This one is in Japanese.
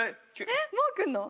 えっもう来んの？